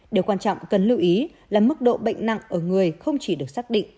điều quan trọng cần lưu ý là mức độ bệnh nặng ở người không chỉ được xác định